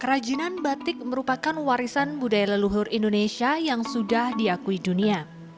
kerajinan batik merupakan warisan budaya leluhur indonesia yang sudah diakui dunia